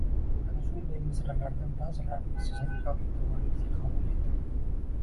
Ana shunday misralardan baʼzilarini sizning ham eʼtiboringizga havola etaman